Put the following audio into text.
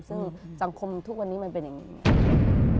ซึ่งสังคมทุกวันนี้มันเป็นอย่างนี้